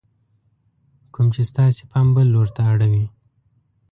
کوم چې ستاسې پام بل لور ته اړوي :